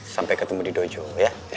sampai ketemu di dojo ya